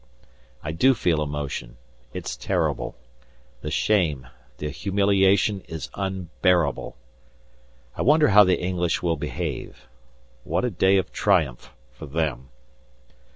I do feel emotion it's terrible; the shame the humiliation is unbearable. I wonder how the English will behave? What a day of triumph for them.